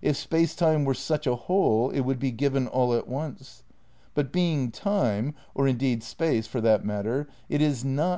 If Space Time were such a whole it would be given all at once. But being Time, (or indeed Space for that mat ter) it is not ..